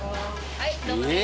はいどうもです。